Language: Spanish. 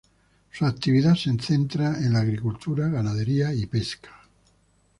Su actividad se centra en la agricultura, ganadería y pesca.